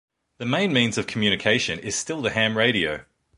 The main means of communication is still the ham radio.